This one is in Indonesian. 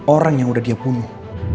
orang yang udah dia bunuh